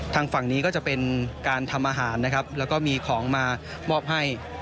ทางฝั่งนี้ก็จะเป็นการทำอาหารนะครับแล้วก็มีของมามอบให้